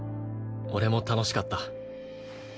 俺も楽しかった。